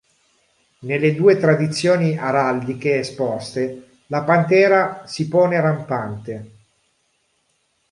Nelle due tradizioni araldiche esposte, la pantera si pone rampante.